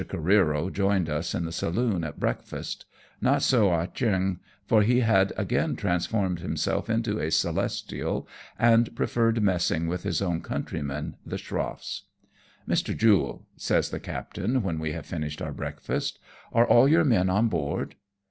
Oareero joined us in the saloon at breakfast ; not so Ah Cheong, for he had again transformed himself into a Celestial, and preferred messing with his own countrymen, the schroffs ." Mr. Jule," says the captain, when we have finished our breakfast, " are all your men on board